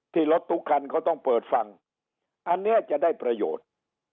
รถทุกคันเขาต้องเปิดฟังอันนี้จะได้ประโยชน์